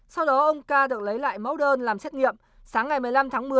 sau đó ông ca được lấy lại mẫu đơn làm xét nghiệm sáng ngày một mươi năm tháng một mươi